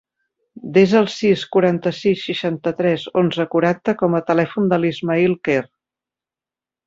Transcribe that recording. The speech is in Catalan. Desa el sis, quaranta-sis, seixanta-tres, onze, quaranta com a telèfon de l'Ismaïl Quer.